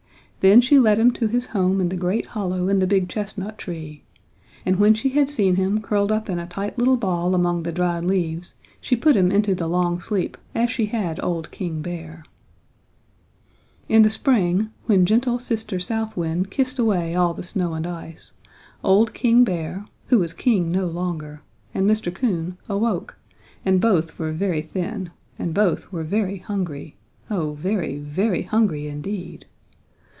Then she led him to his home in the great hollow in the big chestnut tree, and when she had seen him curled up in a tight little ball among the dried leaves she put him into the long sleep as she had old King Bear. "In the spring, when gentle Sister South Wind kissed away all the snow and ice, old King Bear, who was king no longer, and Mr. Coon awoke and both were very thin, and both were very hungry, oh very, very hungry indeed.